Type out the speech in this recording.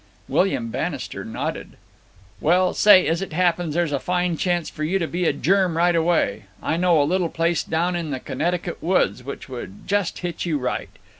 William Bannister nodded. "Well, say, as it happens, there's a fine chance for you to be a germ right away. I know a little place down in the Connecticut woods which would just hit you right.